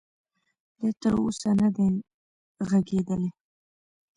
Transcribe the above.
دې تر اوسه ندی ږغېدلی.